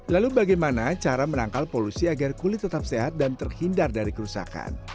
lalu bagaimana cara menangkal polusi agar kulit tetap sehat dan terhindar dari kerusakan